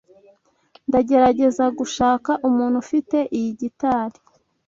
Ndagerageza gushaka umuntu ufite iyi gitari.